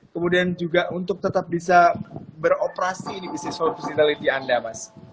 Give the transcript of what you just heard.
kemudian juga untuk tetap bisa beroperasi di bisnis holtinality anda mas